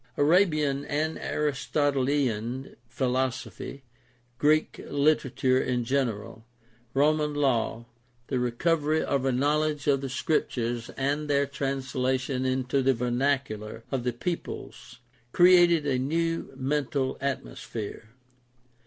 Arabian and Aristotelian philosophy, Greek literature in general, Roman law, the recovery of a knowledge of the Scriptures and their translation into the vernacular of the peoples created a new mental atmosphere.